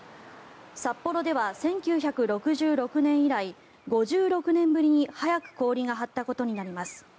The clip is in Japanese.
札幌では１９６６年以来５６年ぶりに早く氷が張ったことになります。